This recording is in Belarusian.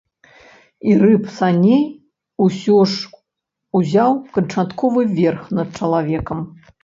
І рып саней усё ж узяў канчатковы верх над чалавекам.